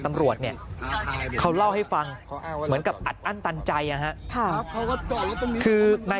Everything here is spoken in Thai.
ตำรวจเนี่ยเขาเล่าให้ฟังเหมือนกับอัดอั้นตันใจนะครับคือนาย